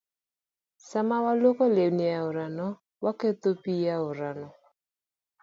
Sama walwoko lewni e aorano, waketho pi aorano.